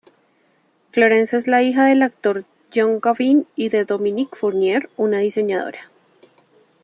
Florence es la hija del actor Jean Gabin y de Dominique Fournier, una diseñadora.